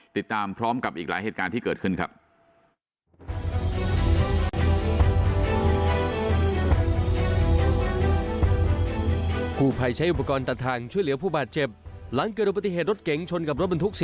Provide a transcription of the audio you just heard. ติดตามพร้อมกับอีกหลายเหตุการณ์ที่เกิดขึ้นครับ